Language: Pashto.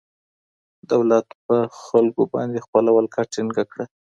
دولت په خلګو باندې خپله ولکه ټینګه کړه.